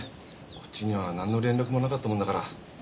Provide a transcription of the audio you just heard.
こっちには何の連絡もなかったもんだから。